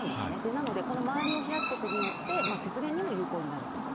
なので周りを冷やすことによって節電にも有効になると。